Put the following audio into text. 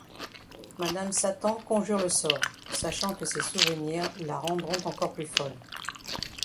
Madam Satan conjure le sort sachant que ses souvenirs la rendront encore plus folle.